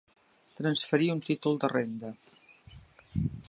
Transferir un títol de renda.